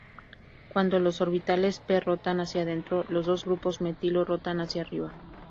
Cuando los orbitales "p" rotan hacia adentro, los dos grupos metilo rotan hacia arriba.